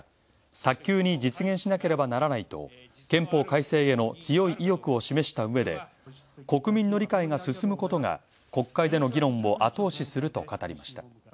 早急に実現しなければならない」と憲法改正への強い意欲を示した上で国民の理解が進むことが国会での議論を後押しすると語りました。